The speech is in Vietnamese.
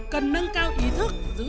cần nâng cao ý thức giữ sức